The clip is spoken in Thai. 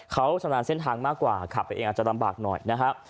เขาชำนาญเส้นทางมากกว่าขับไปเองอาจจะลำบากหน่อยนะครับ